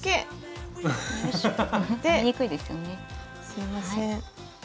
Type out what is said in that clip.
すいません